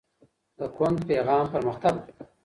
د کُنت پيغام پرمختګ و.